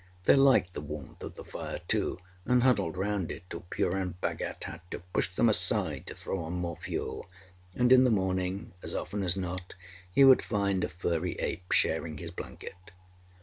They liked the warmth of the fire, too, and huddled round it till Purun Bhagat had to push them aside to throw on more fuel; and in the morning, as often as not, he would find a furry ape sharing his blanket.